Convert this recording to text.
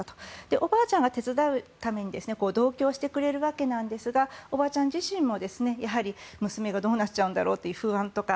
おばあちゃんが手伝うために同居をしてくれるわけなんですがおばあちゃん自身も娘がどうなっちゃうんだろうという不安とか